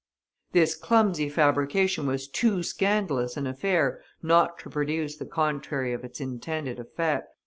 This clumsy fabrication was too scandalous an affair not to produce the contrary of its intended effect.